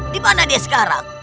di mana dia sekarang